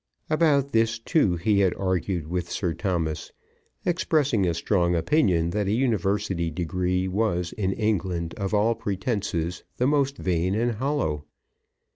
About this, too, he had argued with Sir Thomas, expressing a strong opinion that a university degree was in England, of all pretences, the most vain and hollow.